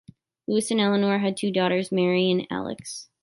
Louis and Eleanor had two daughters, Marie and Alix.